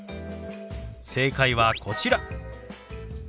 正解はこちら。